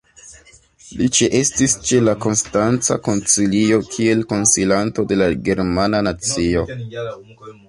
Li ĉeestis ĉe la Konstanca Koncilio kiel konsilanto de la "germana nacio".